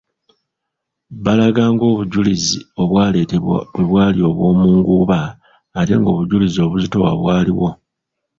Balaga ng'obujulizi obwaleetebwa bwe bwali obwomunguuba ate ng'obujulizi obuzitowa bwaliwo.